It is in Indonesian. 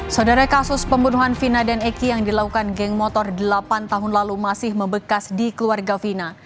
saudara kasus pembunuhan vina dan eki yang dilakukan geng motor delapan tahun lalu masih membekas di keluarga vina